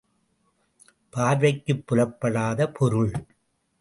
பார்வைக்குப் புலப்படாத பொருள்.